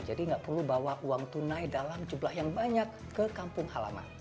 jadi nggak perlu bawa uang tunai dalam jumlah yang banyak ke kampung halaman